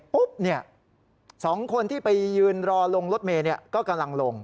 ๒คนที่ไปยืนรอลงรถเมย์ก็กำลังลง